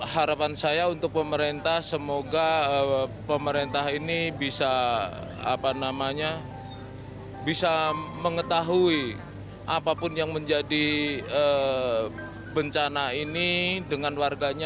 harapan saya untuk pemerintah semoga pemerintah ini bisa mengetahui apapun yang menjadi bencana ini dengan warganya